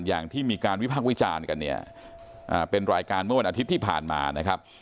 อย่างที่มีการวิพากษ์วิจารณ์กันเนี่ยเป็นรายการเมื่อวันอาทิตย์ที่ผ่านมานะครับ